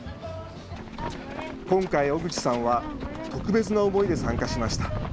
今回、小口さんは特別な思いで参加しました。